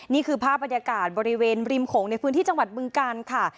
นี่คือภาพบรรยากาศบริเวณริมโขงในพื้นที่จังหวัดบึงกาลค่ะ